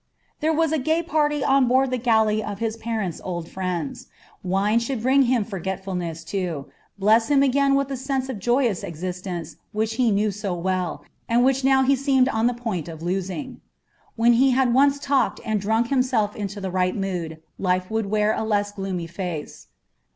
There was a gay party on board the galley of his parents' old friends. Wine should bring him forgetfulness, too, bless him again with the sense of joyous existence which he knew so well, and which he now seemed on the point of losing. When he had once talked and drunk himself into the right mood, life would wear a less gloomy face.